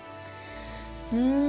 うん。